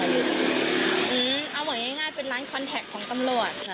เอาเหมือนง่ายเป็นร้านคอนแท็กของตำรวจ